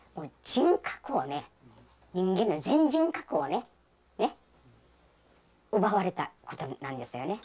人格をね人間の全人格をね奪われたことになるんですよね。